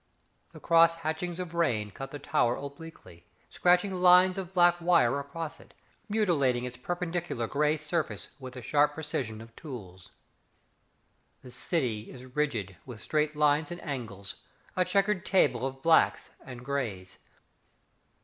The cross hatchings of rain cut the Tower obliquely, Scratching lines of black wire across it, Mutilating its perpendicular grey surface With the sharp precision of tools. The city is rigid with straight lines and angles, A chequered table of blacks and greys.